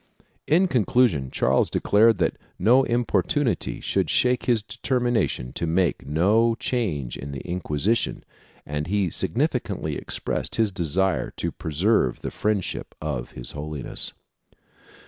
In conclusion Charles declared that no importunity should shake his deter mination to make no change in the Inquisition and he signifi cantly expressed his desire to preserve the friendship of his Holi ness.